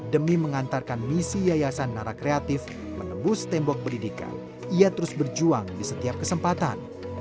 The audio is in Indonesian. demi mengantarkan misi yayasan narak kreatif menembus tembok pendidikan ia terus berjuang di setiap kesempatan